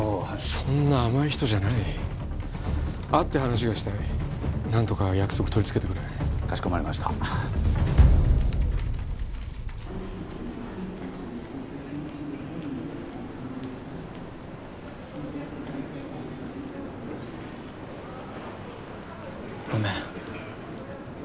そんな甘い人じゃない会って話がしたい何とか約束とりつけてくれかしこまりましたごめん